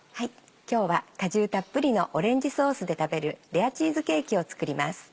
今日は果汁たっぷりのオレンジソースで食べるレアチーズケーキを作ります。